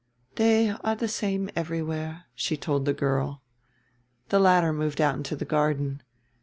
"They are the same everywhere," she told the girl. The latter moved out into the garden.